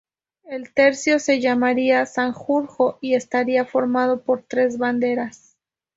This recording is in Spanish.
El Tercio se llamaría Sanjurjo y estaría formado por tres Banderas.